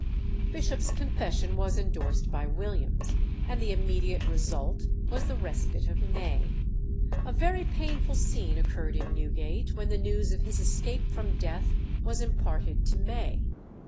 Bishop's confession was endorsed by Williams, and the immediate result was the respite of May. A very painful scene occurred in Newgate when the news of his escape from death was imparted to May.